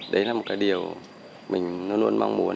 đấy là một cái điều mình luôn luôn mong muốn